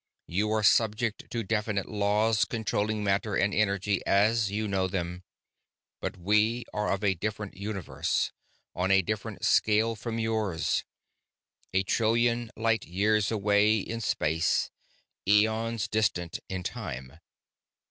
You are subject to definite laws controlling matter and energy as you know them. "But we are of a different universe, on a different scale from yours, a trillion light years away in space, eons distant in time.